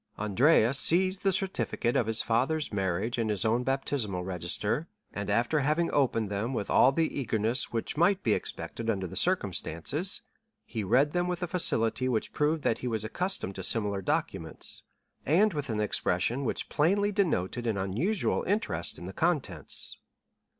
Andrea seized the certificate of his father's marriage and his own baptismal register, and after having opened them with all the eagerness which might be expected under the circumstances, he read them with a facility which proved that he was accustomed to similar documents, and with an expression which plainly denoted an unusual interest in the contents.